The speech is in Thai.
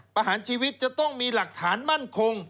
ประหารชีวิตจะต้องมีหลักฐานมั่นคง